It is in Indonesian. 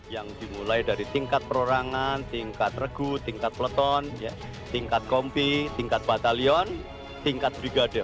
yang dimulai dari tingkat perorangan tingkat regu tingkat peleton tingkat kompi tingkat batalion tingkat brigade